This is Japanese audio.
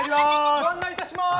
ご案内いたします。